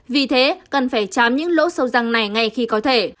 vì thế cần phải chám những lỗ sâu răng này ngay khi có thể